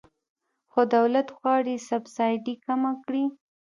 خو دولت غواړي سبسایډي کمه کړي.